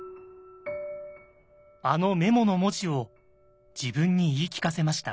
あのメモの文字を自分に言い聞かせました。